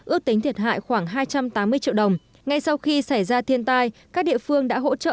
ước tính thiệt hại khoảng hai trăm tám mươi triệu đồng ngay sau khi xảy ra thiên tai các địa phương đã hỗ trợ